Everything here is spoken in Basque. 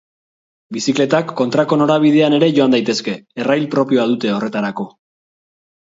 Bizikletak kontrako norabidean ere joan daitezke, errail propioa dute horretarako.